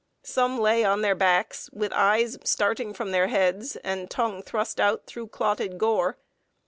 Some lay on their backs, with eyes starting from their heads and tongue thrust out through clotted gore.